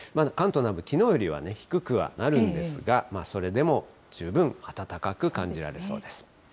関東南部、きのうよりは低くはなるんですが、それでも十分暖かく感じられそうです。